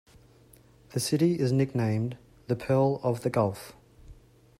The city is nicknamed "The Pearl of the Gulf".